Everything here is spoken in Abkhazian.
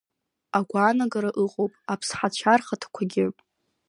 Агәаанагара ыҟоуп Аԥсҳацәа рхаҭақәагьы…